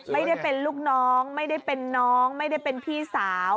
ไม่ได้เป็นลูกน้องไม่ได้เป็นน้องไม่ได้เป็นพี่สาว